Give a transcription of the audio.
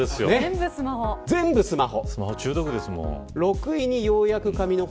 全部スマホ。